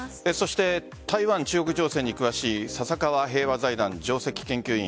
台湾中国情勢に詳しい笹川平和財団・上席研究員